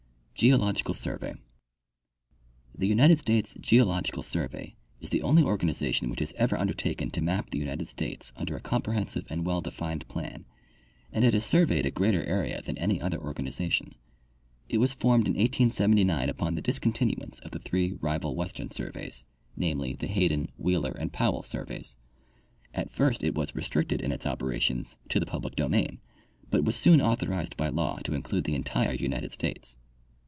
Geological Survey. — The United States Geological survey is the ■ only organization which has ever undertaken to map the United States under a comprehensive and well defined plan, and it has surveyed a greater area than any other organization. It was formed in 1879 upon the discontinuance of the three rival western surveys, namely, the Hayden, Wheeler and Powell surveys. At first it was restricted in its operations to the public domain, but was soon authorized by laAV to include the entire United States.